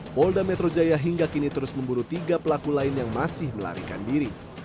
polda metro jaya hingga kini terus memburu tiga pelaku lain yang masih melarikan diri